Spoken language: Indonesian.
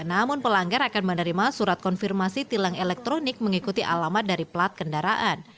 namun pelanggar akan menerima surat konfirmasi tilang elektronik mengikuti alamat dari plat kendaraan